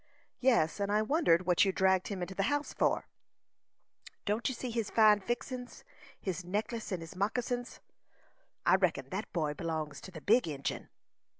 "Yes; and I wondered what you dragged him into the house for." "Don't you see his fine fixin's his necklaces and his moccasons? I reckon that boy belongs to the big Injin."